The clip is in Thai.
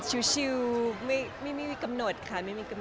ชิ้วชิ้วไม่มีกำหนดคะ